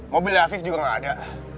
mobilnya afif juga gak ada